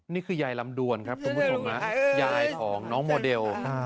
นี่คือยายลำดวนครับคุณผู้ชมยายของน้องโมเดล